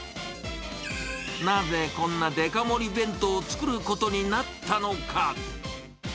なぜ、こんなでか盛り弁当を作ることになったのか。